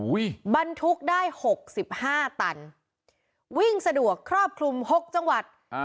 บรรทุกได้หกสิบห้าตันวิ่งสะดวกครอบคลุมหกจังหวัดอ่า